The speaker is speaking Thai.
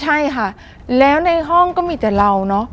ใช่ค่ะแล้วในห้องก็มีแต่เราเนอะ